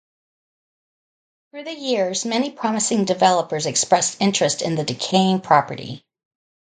Through the years, many promising developers expressed interest in the decaying property.